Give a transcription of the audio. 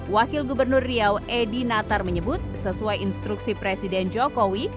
wakil gubernur riau edi natar menyebut sesuai instruksi presiden jokowi